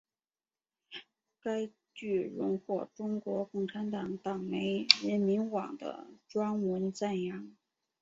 该剧荣获中国共产党党媒人民网的专文赞扬。